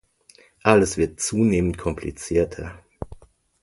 Alles wird zunehmend komplizierter.